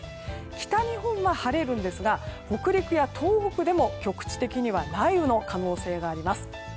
北日本は晴れるんですが北陸や東北でも、局地的には雷雨の可能性があります。